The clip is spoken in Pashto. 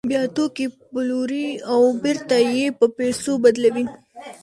بیا توکي پلوري او بېرته یې په پیسو بدلوي